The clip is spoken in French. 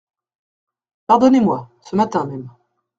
Pardonnez-moi, ce matin même.